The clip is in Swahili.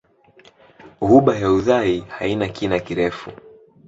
Ghuba ya Uthai haina kina kirefu.